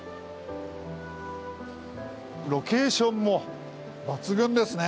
ロケーションも抜群ですね。